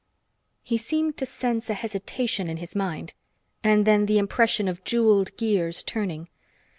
He seemed to sense a hesitation in his mind, and then the impression of jeweled gears turning.